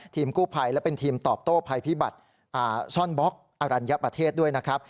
ทีมกู้ภัยและเป็นทีมตอบโต้ภัยพิบัติซ่อนบล็อกอรัญญประเทศด้วยนะครับ